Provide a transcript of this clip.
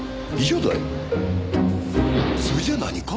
それじゃあ何か？